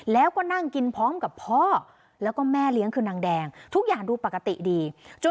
แล้วก็นั่งกินพร้อมกับพ่อแล้วก็แม่เลี้ยงคือนางแดงทุกอย่างดูปกติดีจน